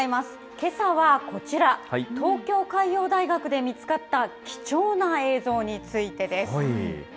けさはこちら、東京海洋大学で見つかった貴重な映像についてです。